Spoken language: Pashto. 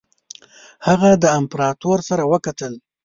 هغه د امپراطور سره وکتل.